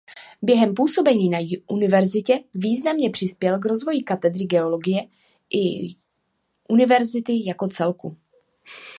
Během působení na universitě významně přispěl k rozvoji katedry geologie i university jako celku.